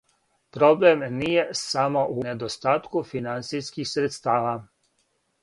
Проблем није само у недостатку финансијских средстава.